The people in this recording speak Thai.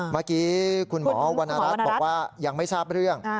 เมื่อกี้คุณหมอวรรณรัฐบอกว่ายังไม่ทราบเรื่อง